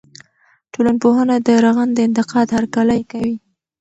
ټولنپوهنه د رغنده انتقاد هرکلی کوي.